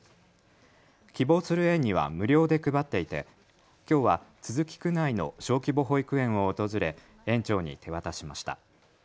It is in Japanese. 希望する園には無料で配っていてきょうは都筑区内の小規模保育園を訪れ園長に手渡しました。